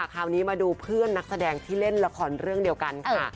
คราวนี้มาดูเพื่อนนักแสดงที่เล่นละครเรื่องเดียวกันค่ะ